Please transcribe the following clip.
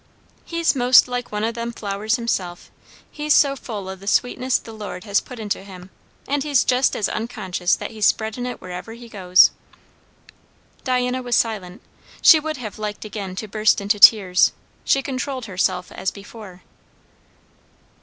"He's 'most like one o' them flowers himself. He's so full o' the sweetness the Lord has put into him, and he's jest as unconscious that he's spreadin' it wherever he goes." Diana was silent. She would have liked again to burst into tears; she controlled herself as before.